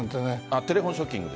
テレホンショッキング。